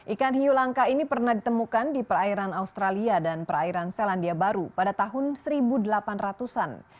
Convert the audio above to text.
ikan hiu langka ini pernah ditemukan di perairan australia dan perairan selandia baru pada tahun seribu delapan ratus an